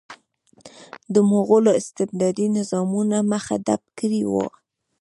د مغولو استبدادي نظامونو مخه ډپ کړې وه.